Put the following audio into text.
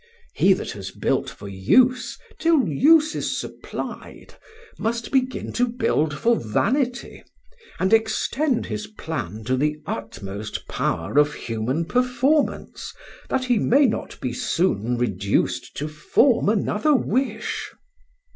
He that has built for use till use is supplied must begin to build for vanity, and extend his plan to the utmost power of human performance that he may not be soon reduced to form another wish.